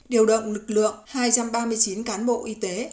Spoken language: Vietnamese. điều động lực lượng hai trăm ba mươi chín cán bộ y tế